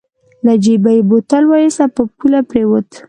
له جېبه يې بوتل واېست په پوله پرېوت.